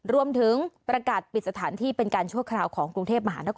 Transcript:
รวมถึงประกาศปิดสถานที่เป็นการชั่วคราวของกรุงเทพมหานคร